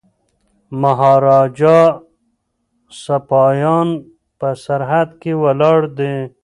د مهاراجا سپایان په سرحد کي ولاړ دي.